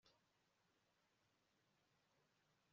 Igihugu cyishimye kuruta inzabibu